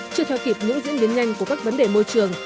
chưa theo kịp những diễn biến nhanh của các vấn đề môi trường